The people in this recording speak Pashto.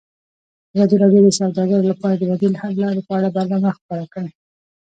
ازادي راډیو د سوداګري لپاره د بدیل حل لارې په اړه برنامه خپاره کړې.